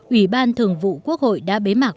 ủy ban thường vụ quốc hội đã bế mạc